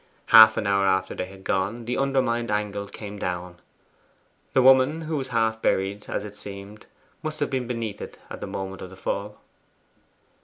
Half an hour after they had gone the undermined angle came down. The woman who was half buried, as it seemed, must have been beneath it at the moment of the fall.